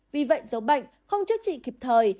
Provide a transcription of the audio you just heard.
vì vậy dấu bệnh không chức trị kịp thời